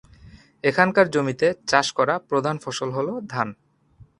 এখানকার জমিতে চাষ করা প্রধান ফসল হল ধান।